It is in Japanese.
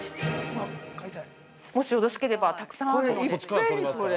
◆もしよろしければ、たくさんあるので。